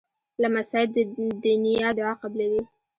لمسی د نیا دعا قبلوي.